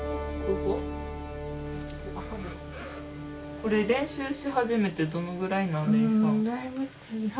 これ練習し始めてどのぐらいなん？